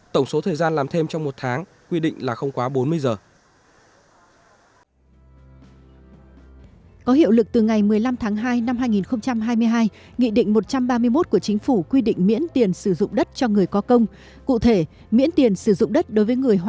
tổng số thời gian làm thêm trong một tháng quy định là không quá bốn mươi giờ